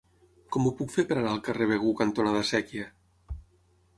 Com ho puc fer per anar al carrer Begur cantonada Sèquia?